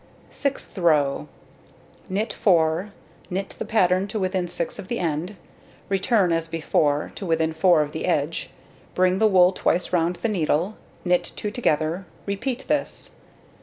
Sixth row: Knit 4, knit the pattern to within 6 of the end. Return, as before, to within 4 of the edge, bring the wool twice round the needle, knit 2 together. Repeat this.